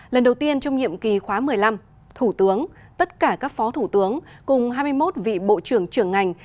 lần đầu tiên trong nhiệm kỳ khóa một mươi năm thủ tướng tất cả các phó thủ tướng cùng hai mươi một vị bộ trưởng trưởng ngành